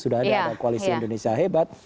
sudah ada koalisi indonesia hebat